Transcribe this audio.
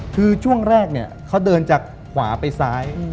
คือช่วงแรกเนี่ยเขาเดินจากขวาไปซ้าย